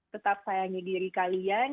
tetap sayangi diri kalian